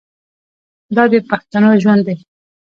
دا د پښتنو ژوند دی.